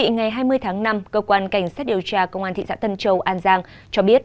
ngày hai mươi tháng năm cơ quan cảnh sát điều tra công an thị xã tân châu an giang cho biết